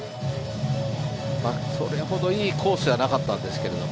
それほどいいコースではなかったですけど